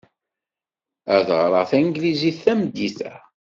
Ad ɣreɣ tanglizit tameddit-a.